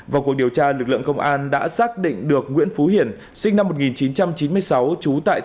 vào cuộc điều tra lực lượng công an đã xác định được nguyễn phú hiển sinh năm một nghìn chín trăm chín mươi sáu trú tại thành phố đà lạt tỉnh lâm đồng